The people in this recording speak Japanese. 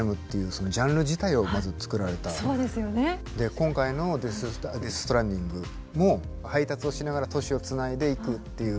今回の「デス・ストランディング」も配達をしながら都市を繋いでいくっていう。